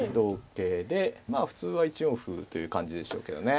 普通は１四歩という感じでしょうけどね。